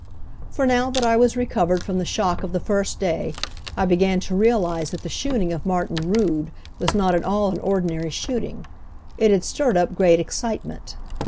For now that I was recovered from the shock of the first day I began to realize that the shooting of Martin Rood was not at all an ordinary shooting. It had stirred up great excitement.